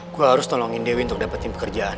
aku harus tolongin dewi untuk dapetin pekerjaan